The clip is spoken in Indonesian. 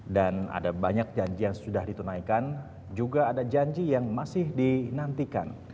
dan ada banyak janji yang sudah ditunaikan juga ada janji yang masih dinantikan